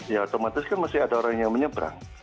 ya otomatis kan masih ada orang yang menyeberang